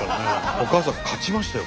おかあさん勝ちましたよ